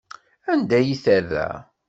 Anda i terra?